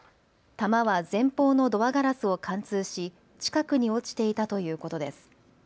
弾は前方のドアガラスを貫通し近くに落ちていたということです。